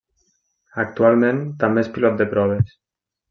Actualment, també és pilot de proves.